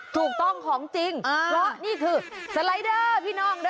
ถูกต้องของจริงเพราะนี่คือสไลเดอร์พี่น้องเด้อ